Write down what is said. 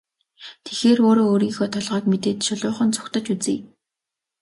Тэгэхээр өөрөө өөрийнхөө толгойг мэдээд шулуухан зугтаж үзье.